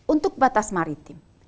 untuk batas maritim